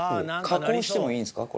加工してもいいんですか？